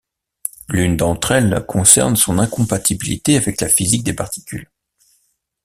L'une d'entre elles concerne son incompatibilité avec la physique des particules.